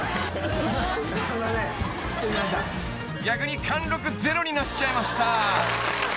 ［逆に貫禄ゼロになっちゃいました］